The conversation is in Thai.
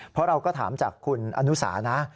เพราะเราก็ถามจากคุณอนุสานะ